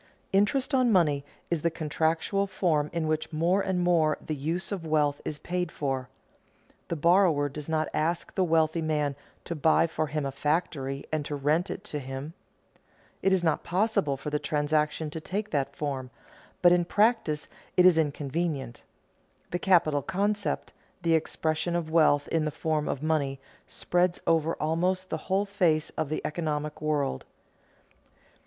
Interest on money is the contractual form in which more and more the use of wealth is paid for. The borrower does not ask the wealthy man to buy for him a factory and to rent it to him. It is not impossible for the transaction to take that form; but in practice it is inconvenient. The capital concept, the expression of wealth in the form of money, spreads over almost the whole face of the economic world.